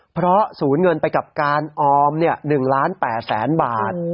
เพราะศูนย์เงินไปกับการออม๑๘๐๐๐๐๐บาท